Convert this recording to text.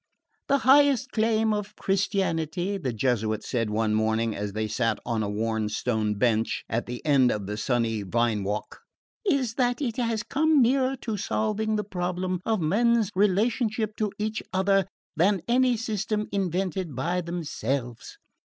"The highest claim of Christianity," the Jesuit said one morning, as they sat on a worn stone bench at the end of the sunny vine walk, "is that it has come nearer to solving the problem of men's relations to each other than any system invented by themselves.